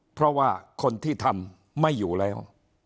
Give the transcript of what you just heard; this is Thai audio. เพราะว่าคนที่ทำไม่อยู่แล้ว